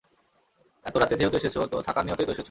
এত রাতে যেহেতু এসেছ, তো থাকার নিয়তেই তো এসেছ।